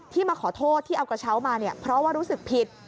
มาขอโทษที่เอากระเช้ามาเนี่ยเพราะว่ารู้สึกผิด